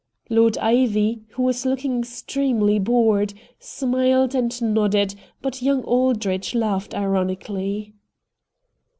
Lord Ivy, who was looking extremely bored, smiled and nodded, but young Aldrich laughed ironically.